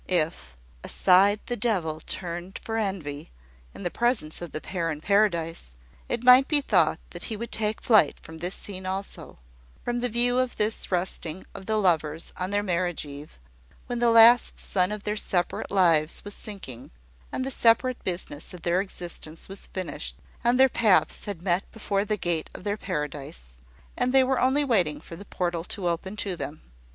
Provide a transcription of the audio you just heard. If "aside the devil turned for envy" in the presence of the pair in Paradise, it might be thought that he would take flight from this scene also; from the view of this resting of the lovers on their marriage eve, when the last sun of their separate lives was sinking, and the separate business of their existence was finished, and their paths had met before the gate of their paradise, and they were only waiting for the portal to open to them.